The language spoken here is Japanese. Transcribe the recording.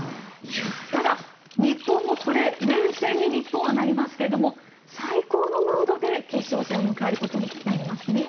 ただ、日本も連戦になりますけども最高のムードで決勝戦を迎えることになりますね。